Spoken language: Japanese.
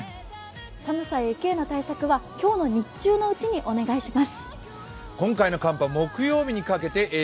寒さや雪への対策は今日の日中のうちにお願いします。